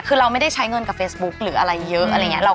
คือเราไม่ได้ใช้เงินกับเฟซบุ๊คหรืออะไรเยอะอะไรอย่างนี้